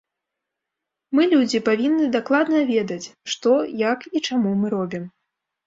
Мы, людзі, павінны дакладна ведаць, што, як і чаму мы робім.